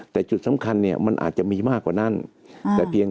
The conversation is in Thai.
แต่จุดสำคัญมันอาจจะมีมากกว่านั้น